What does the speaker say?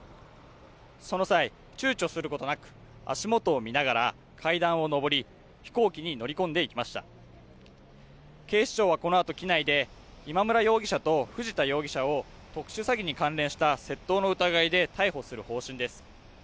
その際、躊躇することなく足元を見ながら階段を上り飛行機に乗り込んでいきました警視庁はこのあと機内で今村容疑者と藤田容疑者を特殊詐欺に関連した窃盗の疑いで逮捕する方針です